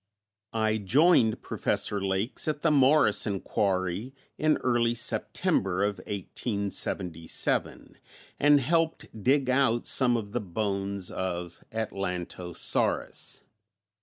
I joined Professor Lakes at the Morrison quarry in early September of 1877, and helped dig out some of the bones of Atlantosaurus.